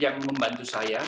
yang membantu saya